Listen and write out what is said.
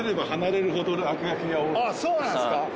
ああそうなんですか。